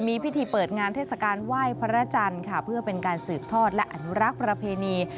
มีพิธีเปิดงานเทศกาลไหว้พระจันทร์ค่ะเพื่อเป็นการสืบทอดและอนุรักษ์ประเพณี